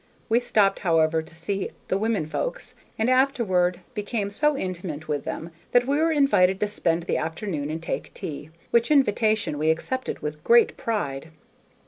We stopped, however, to see "the women folks," and afterward became so intimate with them that we were invited to spend the afternoon and take tea, which invitation we accepted with great pride.